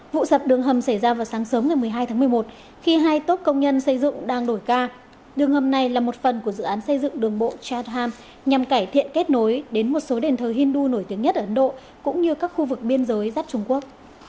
vụ sập đường hầm xảy ra vào sáng sớm ngày một mươi hai tháng một mươi một khi hai tốt công nhân xây dựng đang đổi ca đường hầm này là một phần của dự án xây dựng đường bộ chatham nhằm cải thiện kết nối đến một số đền thờ hindu nổi tiếng nhất ở ấn độ cũng như các khu vực biên giới dắt trung quốc